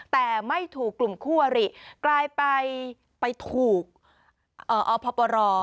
แต่ไม่ถูกกลุ่มคู่อริกลายไปถูกอพปร